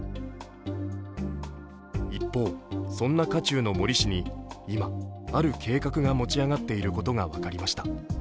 一方、そんな渦中の森氏に今、ある計画が持ち上がっていることが分かりました。